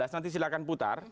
nanti silahkan putar